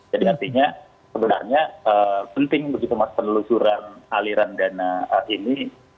jadi artinya sebenarnya penting begitu mas penelusuran aliran dana ini